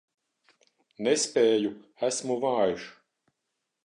Nespēju, esmu vājš.